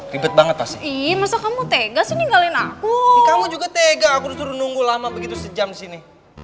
ribet banget pasti masa kamu tega sih ninggalin aku kamu juga tega aku disuruh nunggu lama begitu sejam sini